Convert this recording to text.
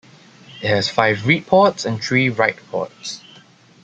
It has five read ports and three write ports.